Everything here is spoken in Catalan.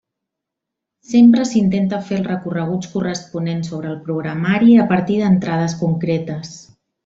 Sempre s’intenta fer els recorreguts corresponents sobre el programari a partir d’entrades concretes.